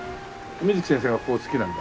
水木先生がここ好きなんだ？